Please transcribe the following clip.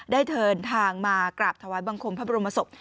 ได้เดินทางมากราบถวายบังคมพระบรมศพ